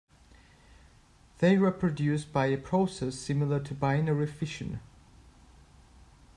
They reproduce by a process similar to binary fission.